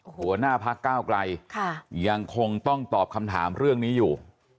หัวหน้าพักก้าวไกลยังคงต้องตอบคำถามเรื่องนี้อยู่